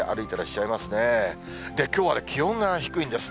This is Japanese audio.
きょうは気温が低いんです。